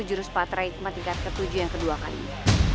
jurus patriarik tingkat ke tujuh yang kedua kali ini